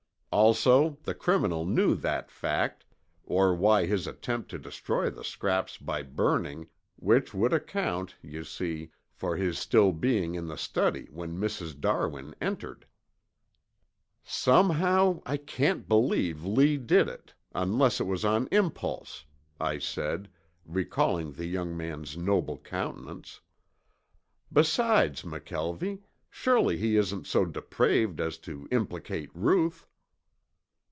Also the criminal knew that fact, or why his attempt to destroy the scraps by burning, which would account, you see, for his still being in the study when Mrs. Darwin entered." "Somehow I can't believe Lee did it unless it was on impulse," I said, recalling the young man's noble countenance. "Besides, McKelvie, surely he isn't so depraved as to implicate Ruth!"